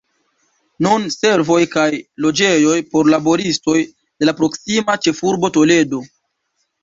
Nun servoj kaj loĝejoj por laboristoj de la proksima ĉefurbo Toledo.